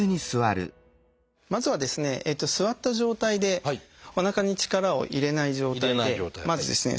まずはですね座った状態でおなかに力を入れない状態でまずですね